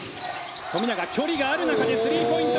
富永、距離がある中でスリーポイント！